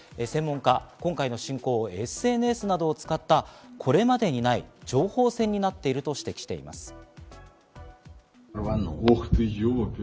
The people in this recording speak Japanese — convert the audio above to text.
専門家は今回の侵攻をＳＮＳなどを使ったこれまでにない情報戦になっていると指摘しています。